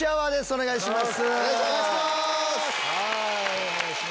お願いします！